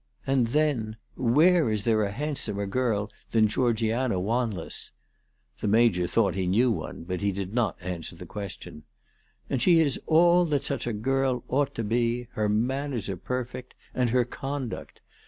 And then where is there a hand somer girl than Georgiana Wanless?" The Major thought that he knew one, hut did not answer the question. " And she is all that such a girl ought to be. Her manners are perfect, and her conduct.